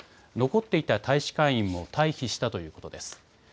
残っていた大使館員も退避したということです。